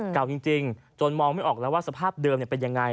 เก่าจริงจนมองไม่ออกแล้วว่าสภาพเดิมเป็นยังไง